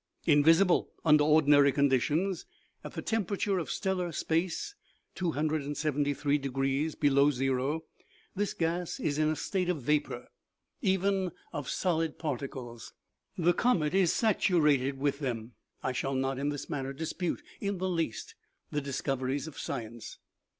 Invisible under ordinary conditions, at the temperature of stellar space (273 degrees below zero), this gas is in a state of vapor, 46 OMEGA. even of solid particles. The comet is saturated with them. I shall not in this matter dispute in the least the discoveries of science."